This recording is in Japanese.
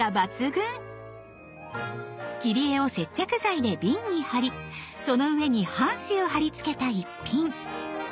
切り絵を接着剤で瓶に貼りその上に半紙を貼り付けた逸品。